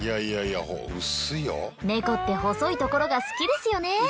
猫って細いところが好きですよね。